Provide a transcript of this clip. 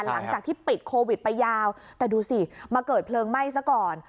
หลังจากที่ปิดโควิดไปยาวแต่ดูสิมาเกิดเพลิงไหม้ซะก่อน